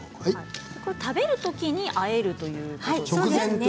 食べる時にあえるということですね。